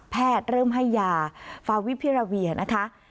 แพทย์เริ่มให้ยาฟาวิพิราเวียนะคะ